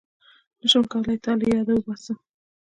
نشم کولای تا له ياده وباسم